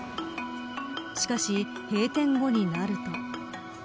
しかし、閉店後になると。